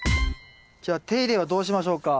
じゃあ手入れはどうしましょうか？